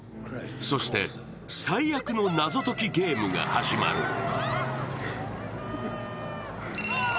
そして最悪の謎解きゲームが始まる。